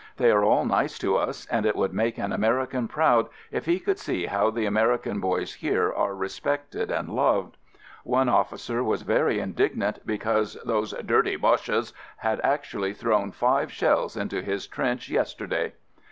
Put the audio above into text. They are all nice to us, and it would make an American proud if he could see how the American 22 AMERICAN AMBULANCE boys here are respected and loved. One officer was very indignant because those "dirty Boches" had actually thrown five shells into his trench yesterday!